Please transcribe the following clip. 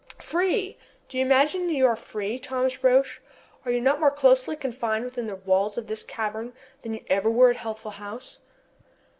"Free! Do you imagine you are free, Thomas Roch? Are you not more closely confined within the walls of this cavern than you ever were at Healthful House?"